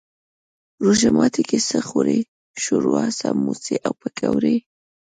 روژه ماتی کی څه خورئ؟ شوروا، سموسي او پکوړي